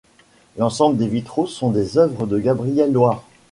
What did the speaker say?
L'ensemble des vitraux sont des œuvres de Gabriel Loire.